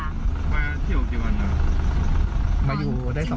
ขนนั้นจะเห็นเหรอเห็นไงแบบนั้นผู้ชายไม่เห็น